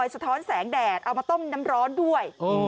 สะท้อนแสงแดดเอามาต้มน้ำร้อนด้วย